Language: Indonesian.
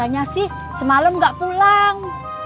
katanya sih semalem gak pulang